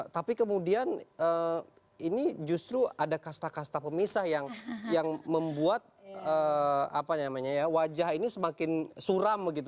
tapi kemudian ini justru ada kasta kasta pemisah yang membuat apa namanya ya wajah ini semakin suram